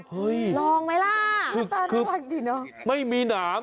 เฮ้ยลองไหมล่ะคือคือไม่มีหนาม